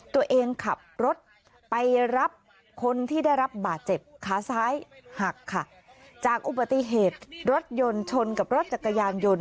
ตัวเองขับรถไปรับคนที่ได้รับบาดเจ็บขาซ้ายหักค่ะจากอุบัติเหตุรถยนต์ชนกับรถจักรยานยนต์